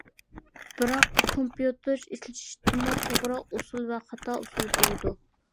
بىراق كومپيۇتېر ئىشلىتىشتىمۇ، توغرا ئۇسۇل ۋە خاتا ئۇسۇل بولىدۇ.